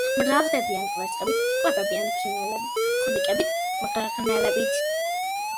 მრავლდებიან კვერცხით, იკვებებიან ფრინველებით, ხვლიკებით, მღრღნელებით.